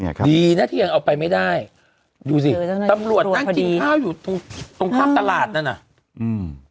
เนี่ยครับดีนะที่ยังเอาไปไม่ได้อยู่สิตำรวจตั้งจิ้งข้าวอยู่ตรงต้นตลาดนั่นอ่ะ